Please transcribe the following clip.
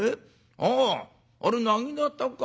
あああれなぎなたか。